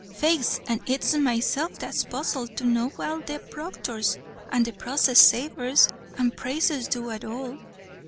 "Faix an' it's mysef that's puzzled to know what'll the procthors, and the process sarvers, and 'praisers do at all.